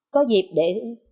có dịp để